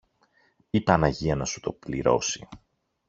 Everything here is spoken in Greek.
Η Παναγία να σου το πληρώσει!